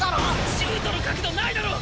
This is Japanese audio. シュートの角度ないだろ！